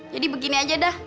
jadi begini aja dah